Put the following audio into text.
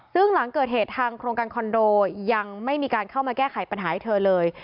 ซึ่งหลังเกิดเหตุทางโครงการคอนโดยังไม่มีการเข้ามาแก้ไขปัญหาให้เธอเลย